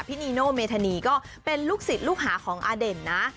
นีโนเมธานีก็เป็นลูกศิษย์ลูกหาของอเด่นนะ